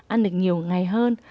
ăn được nhiều ngày hơn